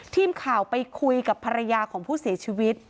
ทีมข่าวไปคุยกับภรรยาของผู้เสียชีวิต